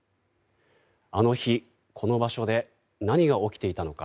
あの日、この場所で何が起きていたのか。